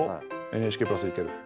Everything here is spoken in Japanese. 「ＮＨＫプラス」いける。